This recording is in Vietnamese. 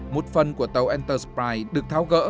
một phần của tàu entersprite được thao gỡ